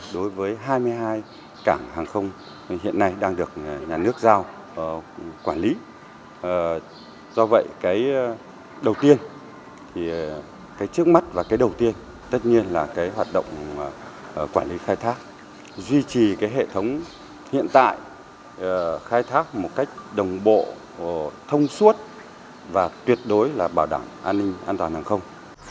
đối với hai mươi hai cảng hàng không hiện nay đang được nhà nước giao quản lý do vậy cái đầu tiên cái trước mắt và cái đầu tiên tất nhiên là cái hoạt động quản lý khai thác duy trì cái hệ thống hiện tại khai thác một cách đồng bộ thông suốt và tuyệt đối là bảo đảm an ninh an toàn hàng không